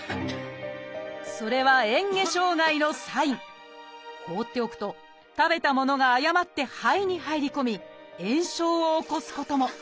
それは放っておくと食べたものが誤って肺に入り込み炎症を起こすことも。